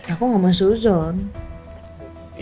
aku gak masuk zone